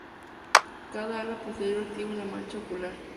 Cada ala posterior tiene una mancha ocular.